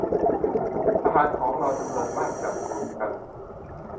ทหารของเราจำนวนมากจับกลุ่มกัน